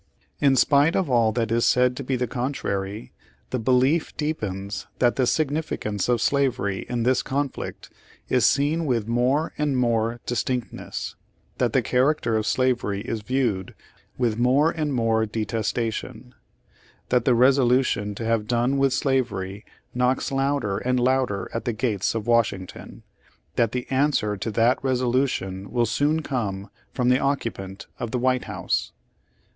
Page Eighty four In spite of all that is said to the contrary, the belief deepens that the significance of slavery in this conflict is seen with more and more distinctness — that the character of slavery is viewed with more and more detestation — that the resolution to have done with slavery knocks louder and louder at the gates of Washington — that the answer to that resolution will soon come from the occupant of the White House."